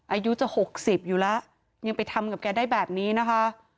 อายุจะ๖๐อยู่แล้วยังไปทำกับแกได้แบบนี้นะคะ